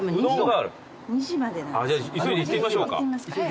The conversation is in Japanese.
急いで行ってみましょうか。